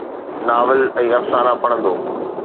novel ۽ افسانا پڙهندو